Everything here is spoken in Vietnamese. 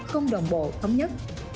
trong đồng bộ thống nhất